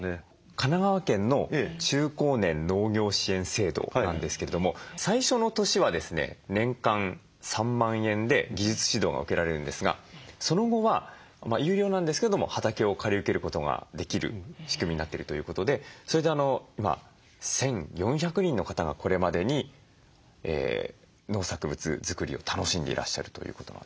神奈川県の中高年農業支援制度なんですけれども最初の年はですね年間３万円で技術指導が受けられるんですがその後は有料なんですけども畑を借り受けることができる仕組みになってるということでそれで１，４００人の方がこれまでに農作物づくりを楽しんでいらっしゃるということなんですよね。